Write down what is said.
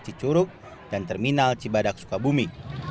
cicuruk dan terminal cibadak sukabumi